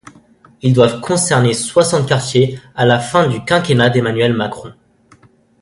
Ils doivent concernés soixante quartiers à la fin du quinquennat d'Emmanuel Macron.